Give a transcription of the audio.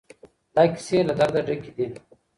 دا کيسې له درده ډکې دي.